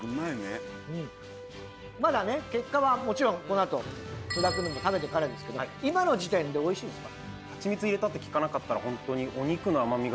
まだね結果はもちろんこの後菅田君のも食べてからですけど今の時点でおいしいですか？